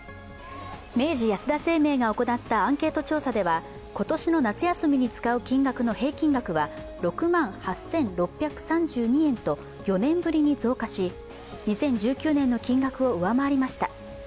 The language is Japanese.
明治安田生命が行ったアンケート調査では、今年の夏休みに使う金額の平均額は６万８６３２円と４年ぶりに増加し、２０１９年の金額を上回りました。